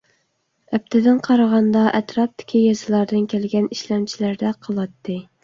ئەپتىدىن قارىغاندا ئەتراپتىكى يېزىلاردىن كەلگەن ئىشلەمچىلەردەك قىلاتتى.